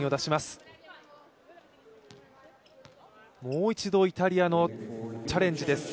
もう一度イタリアのチャレンジです。